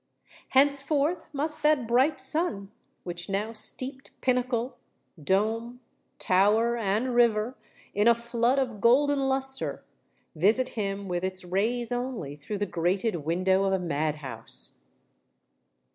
Henceforth must that bright sun, which now steeped pinnacle, dome, tower, and river in a flood of golden lustre, visit him with its rays only through the grated window of a mad house!